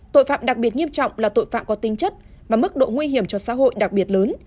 tội phạm đặc biệt nghiêm trọng là tội phạm có tính chất và mức độ nguy hiểm cho xã hội đặc biệt lớn